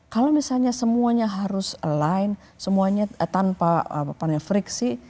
kalau misalnya semuanya harus align semuanya tanpa apa apa friksi